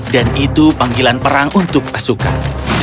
dan itu panggilan perang untuk pasukan